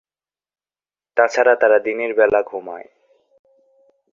এছাড়াও তারা দিনের বেলা ঘুমায়।